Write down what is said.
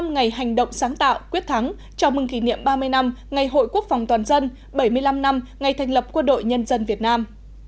bảy mươi ngày hành động sáng tạo quyết thắng chào mừng kỷ niệm ba mươi năm ngày hội quốc phòng toàn dân bảy mươi năm năm ngày thành lập quân đội nhân dân việt nam